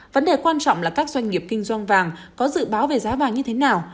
vấn đề quan trọng là các doanh nghiệp kinh doanh vàng có dự báo về giá vàng như thế nào